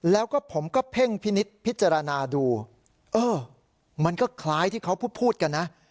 แล้วก็ผมก็เพ่งพินิษฐ์พิจารณาดูเออมันก็คล้ายที่เขาพูดกันนะ